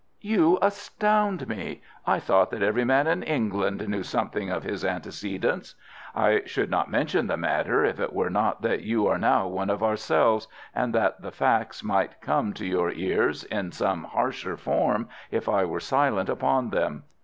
"You astound me. I thought that every man in England knew something of his antecedents. I should not mention the matter if it were not that you are now one of ourselves, and that the facts might come to your ears in some harsher form if I were silent upon them.